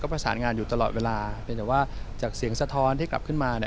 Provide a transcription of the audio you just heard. ประสานงานอยู่ตลอดเวลาเพียงแต่ว่าจากเสียงสะท้อนที่กลับขึ้นมาเนี่ย